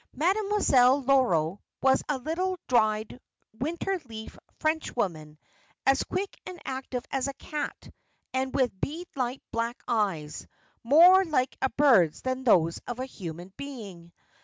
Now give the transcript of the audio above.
Mademoiselle Loro was a little, dried, winter leaf Frenchwoman, as quick and active as a cat and with beadlike black eyes, more like a bird's than those of a human being.